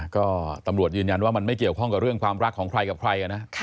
ก็ตำรวจยืนยันว่ามันไม่เกี่ยวข้องกับเรื่องความรักของใครกับใครนะ